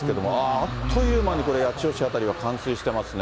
あっという間にこれ、八千代市辺りは冠水してますね。